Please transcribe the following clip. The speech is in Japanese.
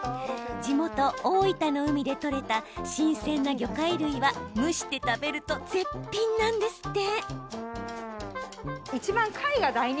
地元、大分の海で取れた新鮮な魚介類は蒸して食べると絶品なんですって。